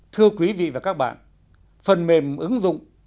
thưa quý vị và các bạn phần mềm ứng dụng